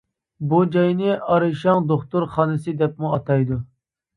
بۇ جاينى ئارىشاڭ دوختۇرخانىسى دەپمۇ ئاتايدۇ.